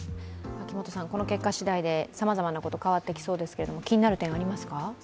この結果しだいで、さまざまなことが変わってきそうですが、気になる点はありますか？